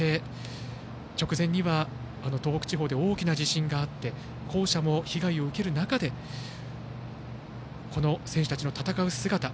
直前には東北地方で大きな地震があって校舎も被害を受ける中でこの選手たちの戦う姿。